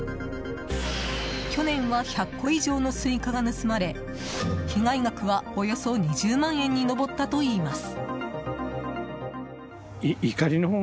去年は１００個以上のスイカが盗まれ被害額はおよそ２０万円に上ったといいます。